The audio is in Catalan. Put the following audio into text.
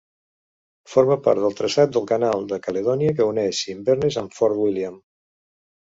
Forma part del traçat del Canal de Caledònia que uneix Inverness amb Fort William.